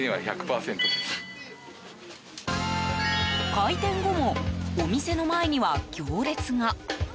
開店後もお店の前には行列が。